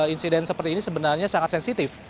insiden seperti ini sebenarnya sangat sensitif